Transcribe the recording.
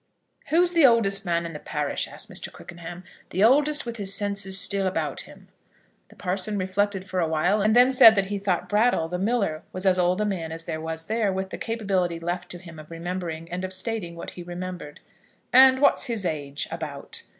"Who's the oldest man in the parish?" asked Mr. Quickenham; "the oldest with his senses still about him." The parson reflected for awhile, and then said that he thought Brattle, the miller, was as old a man as there was there, with the capability left to him of remembering and of stating what he remembered. "And what's his age, about?"